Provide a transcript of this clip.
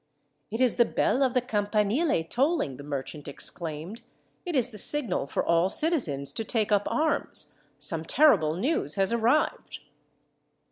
"It is the bell of the Campanile tolling," the merchant exclaimed. "It is the signal for all citizens to take up arms. Some terrible news has arrived."